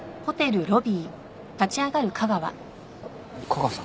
架川さん？